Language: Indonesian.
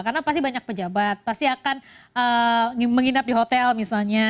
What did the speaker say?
karena pasti banyak pejabat pasti akan menginap di hotel misalnya